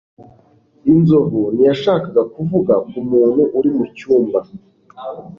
Inzovu ntiyashakaga kuvuga ku muntu uri mu cyumba.